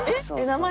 名前？